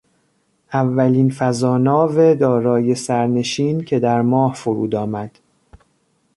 اولین فضاناو دارای سرنشین که در ماه فرود آمد